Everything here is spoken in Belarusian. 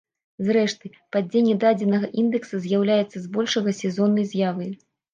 Зрэшты, падзенне дадзенага індэкса з'яўляецца збольшага сезоннай з'явай.